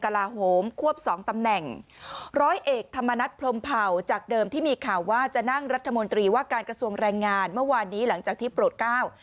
ลาโหมควบสองตำแหน่งร้อยเอกธรรมนัฐพรมเผ่าจากเดิมที่มีข่าวว่าจะนั่งรัฐมนตรีว่าการกระทรวงแรงงานเมื่อวานนี้หลังจากที่โปรดก้าว